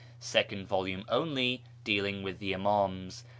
Second volume only, dealing with the Imams.